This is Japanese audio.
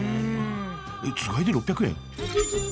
えっつがいで６００円？